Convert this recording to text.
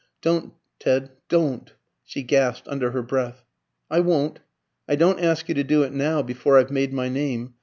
"Don't Ted, don't," she gasped under her breath. "I won't. I don't ask you to do it now, before I've made my name.